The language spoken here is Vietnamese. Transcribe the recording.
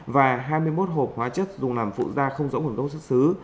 và hai mươi một hộp hóa chất dùng làm phụ da không rõ nguồn gốc xuất xứ